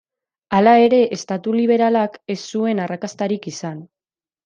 Hala ere, estatu liberalak ez zuen arrakastarik izan.